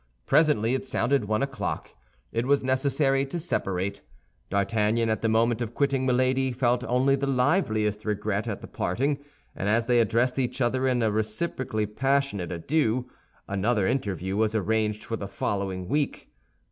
Presently it sounded one o'clock. It was necessary to separate. D'Artagnan at the moment of quitting Milady felt only the liveliest regret at the parting; and as they addressed each other in a reciprocally passionate adieu, another interview was arranged for the following week.